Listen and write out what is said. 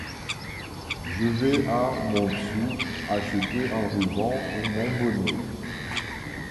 Je vais à Montsou acheter un ruban pour mon bonnet...